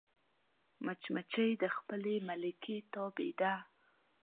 مچمچۍ د خپلې ملکې تابع ده